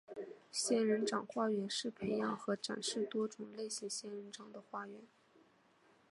仙人掌花园是培养和展示多种类型仙人掌的花园。